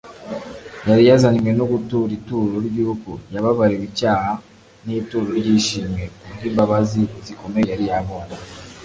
Yari yazanywe no gutura ituro ry’uko yababariwe icyaha [ritambirirwa icyaha] n’ituro ry’ishimwe ku bw’imbabazi zikomeye yari yabonye.